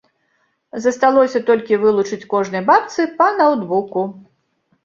Засталося толькі вылучыць кожнай бабцы па ноўтбуку.